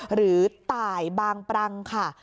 หรือตายบางปรังค่ะ